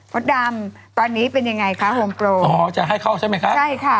ดำตอนนี้เป็นยังไงคะโฮมโปรอ๋อจะให้เข้าใช่ไหมคะใช่ค่ะ